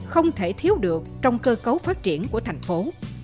không thể thiếu được trong cơ cấu phát triển của thành phố